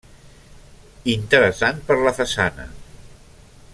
Interessant per la façana.